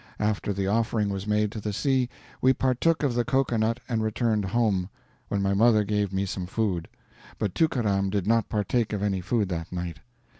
After the offering was made to the sea, we partook of the cocoanut and returned home, when my mother gave me some food; but Tookaram did not partake of any food that night.